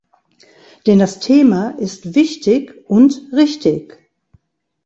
Denn das Thema ist wichtig und richtig.